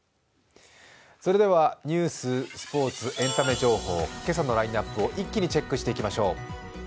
ニュース、スポーツ、エンタメ情報、今朝のラインナップを一気にチェックしていきましょう。